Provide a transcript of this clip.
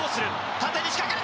縦に仕掛ける！